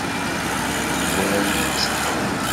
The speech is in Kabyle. Zwaren-tt?